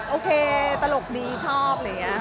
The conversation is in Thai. โอเคตลกดีชอบ